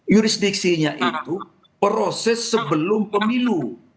jurisdiksinya itu proses sebelum pemilu